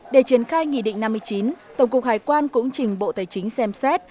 để triển khai nghị định năm mươi chín tổng cục hải quan cũng trình bộ tài chính xem xét